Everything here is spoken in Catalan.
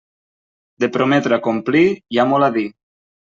De prometre a complir hi ha molt a dir.